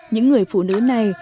những người phụ nữ này